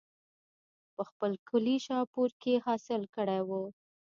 پۀ خپل کلي شاهپور کښې حاصل کړے وو